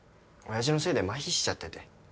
親父のせいでまひしちゃってて。